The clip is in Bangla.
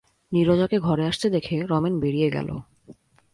নীরজাকে ঘরে আসতে দেখে রমেন বেরিয়ে গেল।